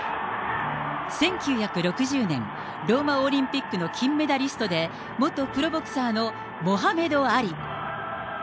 １９６０年、ローマオリンピックの金メダリストで、元プロボクサーのモハメド・アリ。